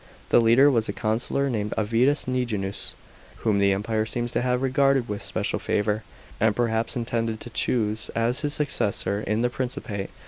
The leader was a consular named Avidius Nijjinus, whom the Emperor seems to have regarded with special favour, and perhaps intended to choose as his successor in the P.incipate.